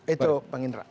itu bang indra